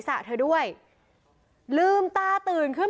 วิทยาลัยศาสตรี